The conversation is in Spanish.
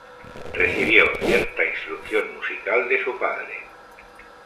Recibió cierta instrucción musical de su padre.